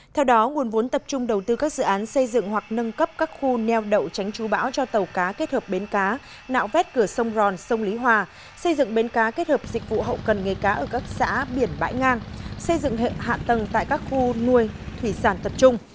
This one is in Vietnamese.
theo đó nguồn vốn tập trung đầu tư các dự án xây dựng hoặc nâng cấp các khu neo đậu tránh chú bão cho tàu cá kết hợp bến cá nạo vét cửa sông ròn sông lý hòa xây dựng bến cá kết hợp dịch vụ hậu cần nghề cá ở các xã biển bãi ngang xây dựng hệ hạ tầng tại các khu nuôi thủy sản tập trung